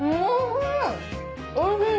おいしい！